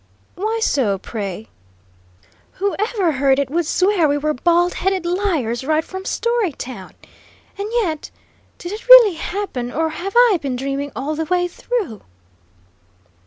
"Why so, pray?" "Whoever heard it would swear we were bald headed liars right from Storytown! And yet, did it really happen, or have I been dreaming all the way through?"